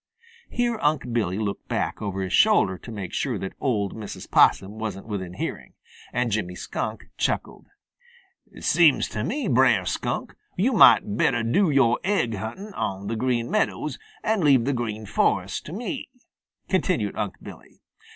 Here Unc' Billy looked back over his shoulder to make sure that old Mrs. Possum wasn't within hearing, and Jimmy Skunk chuckled. "Seems to me, Brer Skunk, yo' might better do your aigg hunting on the Green Meadows and leave the Green Forest to me," continued Unc' Billy.